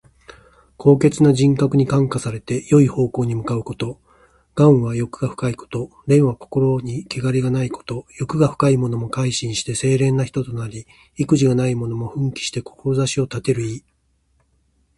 高潔な人格に感化されて、よい方向に向かうこと。「頑」は欲が深いこと。「廉」は心にけがれがないこと。欲が深いものも改心して清廉な人となり、意気地がないものも奮起して志を立てる意。